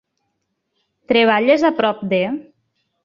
Treballes a prop de??